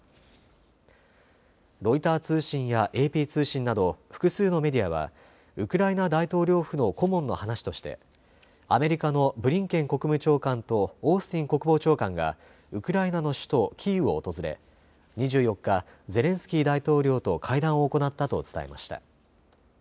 ロイター通信やＡＰ通信など複数のメディアはウクライナ大統領府の顧問の話としてアメリカのブリンケン国務長官とオースティン国防長官がウクライナの首都キーウを訪れ２４日、ゼレンスキー大統領と会談を行ったと伝えました。